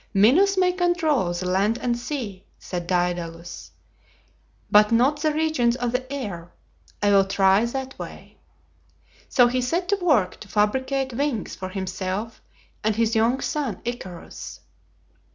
"Minos may control the land and sea," said Daedalus, "but not the regions of the air. I will try that way." So he set to work to fabricate wings for himself and his young son Icarus.